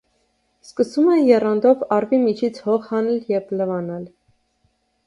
Սկսում է եռանդով առվի միջից հող հանել և լվանալ։